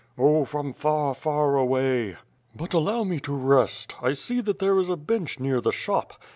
'^ "Oh from far, far away; but allow me to rest; I see that there is a bench near the shop.